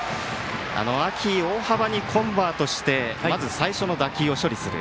秋、大幅にコンバートして最初の打球を処理する。